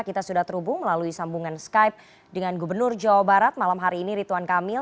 kita sudah terhubung melalui sambungan skype dengan gubernur jawa barat malam hari ini rituan kamil